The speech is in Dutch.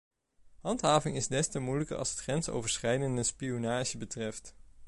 Handhaving is des te moeilijker als het grensoverschrijdende spionage betreft.